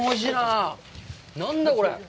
何だ、これ。